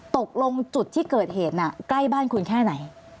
ตกลงจุดที่เกิดเหตุน่ะใกล้บ้านคุณแค่ไหน